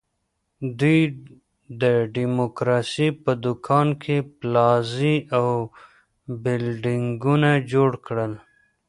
دوی د ډیموکراسۍ په دوکان کې پلازې او بلډینګونه جوړ کړل.